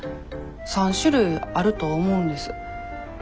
３種類あると思うんです。